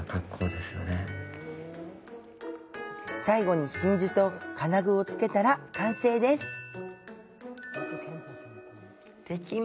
最後に、真珠と金具をつけたら完成です。